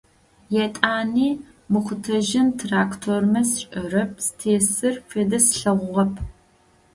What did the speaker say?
Етӏани мыкъутэжьын трактормэ сшӏэрэп зытесыр, фэдэ слъэгъугъэп.